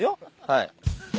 はい。